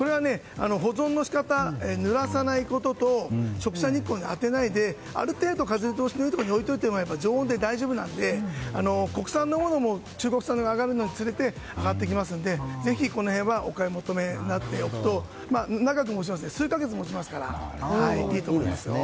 保存の仕方、ぬらさないことと直射日光に当てないである程度風通しのいいところに置いておいても常温で大丈夫なので国産のものも中国産が上がるにつれて上がってきますので、この辺はお買い求めになっておくと数か月もちますからいいと思います。